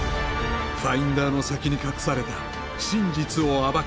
ファインダーの先に隠された真実を暴け